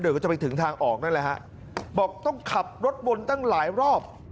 โดยก็จะไปถึงทางออกนั่นแหละฮะบอกต้องขับรถวนตั้งหลายรอบ